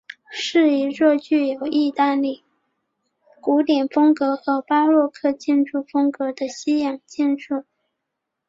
是一座具有意大利古典风格和巴洛克建筑风格的西洋建筑。